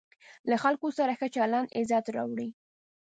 له خلکو سره ښه چلند عزت راوړي.